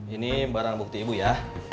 ini barang bukti ibu ya